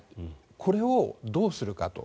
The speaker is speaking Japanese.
これをどうするかと。